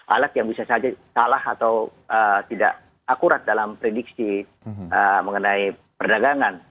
alat yang bisa saja salah atau tidak akurat dalam prediksi mengenai perdagangan